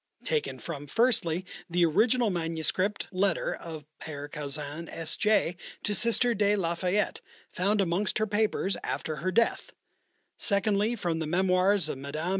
Taken from, firstly, the original manuscript letter of Père Caussin, S. J., to Sister de la Fayette, found amongst her papers after her death; secondly, from the memoirs of Mme.